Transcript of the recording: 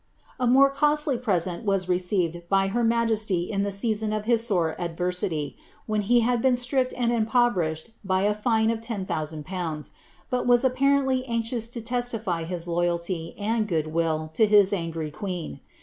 "' A more costly present was receivcil by her majesty in the season of his sore adversity, when he had been stripped and impoverished by a fine of 10,000ZL, but was ipparently anxious to testify his loyalty and good will to his angry queen.